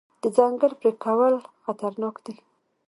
د ځنګل پرې کول خطرناک دي.